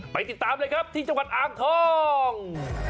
ไปติดตามเลยครับที่จังหวัดอ่างทอง